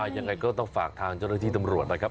ยังไงก็ต้องฝากทางเจ้าหน้าที่ตำรวจนะครับ